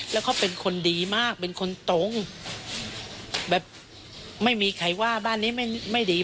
แล้วเขาเป็นคนดีมากเป็นคนตรงแบบไม่มีใครว่าบ้านนี้ไม่ดี